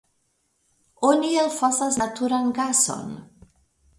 Oni elfosas naturan gason.